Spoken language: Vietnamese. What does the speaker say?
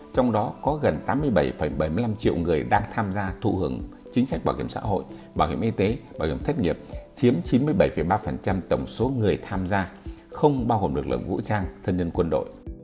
trong đó có gần tám mươi bảy bảy mươi năm triệu người đang tham gia thụ hưởng chính sách bảo hiểm xã hội bảo hiểm y tế bảo hiểm thất nghiệp chiếm chín mươi bảy ba tổng số người tham gia không bao gồm lực lượng vũ trang thân nhân quân đội